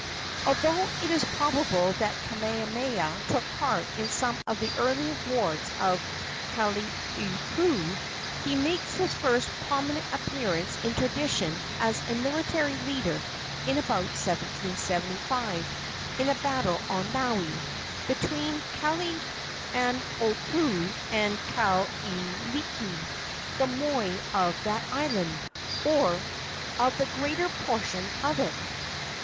Although it is probable that Kamehameha took part in some of the earlier wars of Kalaniopuu, he makes his first prominent appearance in tradition as a military leader in about 1775, in a battle on Maui, between Kalaniopuu and Kahekili, the moi of that island, or of the greater portion of it.